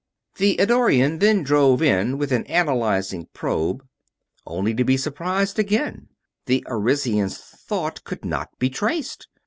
The Eddorian then drove in with an analyzing probe, only to be surprised again the Arisian's thought could not be traced!